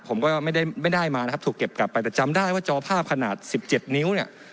ผมก็ไม่ได้มานะครับถูกเก็บกลับไปแต่จำได้ว่าจอภาพขนาด๑๗นิ้วเนี่ย